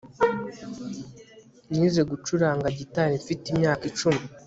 Nize gucuranga gitari mfite imyaka icumi